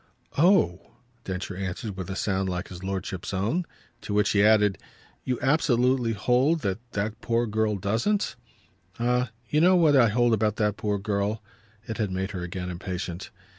"Oh!" Densher answered with a sound like his lordship's own. To which he added: "You absolutely hold that that poor girl doesn't?" "Ah you know what I hold about that poor girl!" It had made her again impatient.